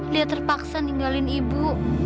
lia terpaksa ninggalin ibu